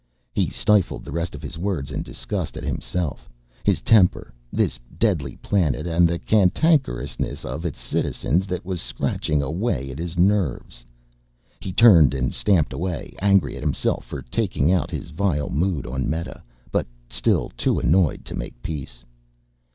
He stifled the rest of his words in disgust, at himself, his temper, this deadly planet and the cantankerousness of its citizens that was scratching away at his nerves. He turned and stamped away, angry at himself for taking out his vile mood on Meta, but still too annoyed to make peace.